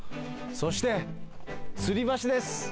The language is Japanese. そして、つり橋です。